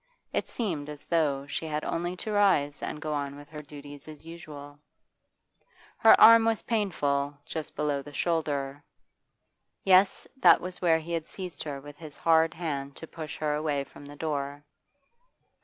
It seemed as though she had only to rise and go on with her duties as usual. Her arm was painful, just below the shoulder. Yes, that was where he had seized her with his hard hand to push her away from the door.